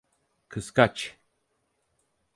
Kıskaç.